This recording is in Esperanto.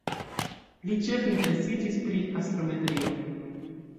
Li ĉefe interesiĝis pri astrometrio.